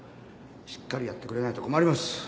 しっかりやってくれないと困ります。